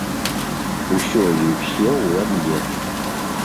Усё і ўсе ўва мне.